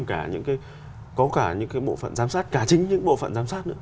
cả những cái có cả những cái bộ phận giám sát cả chính những bộ phận giám sát nữa